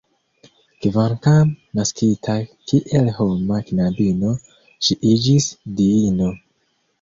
Kvankam naskita kiel homa knabino, ŝi iĝis diino.